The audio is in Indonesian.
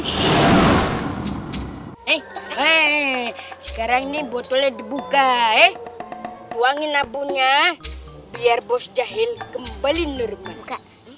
sekarang ini botolnya dibuka eh buangin abunya biar bos jahil kembali nurmuk